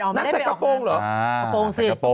นั่นใส่กระโปรงเหรอ